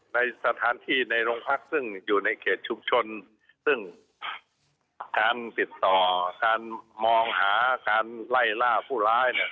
ในสถานที่ในโรงพักซึ่งอยู่ในเขตชุมชนซึ่งการติดต่อการมองหาการไล่ล่าผู้ร้ายเนี่ย